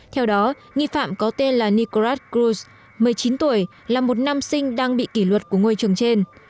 theo đó nghi phạm có tên là nicolette cruz một mươi chín tuổi là một năm sinh đang bị kỷ luật của ngôi trường trên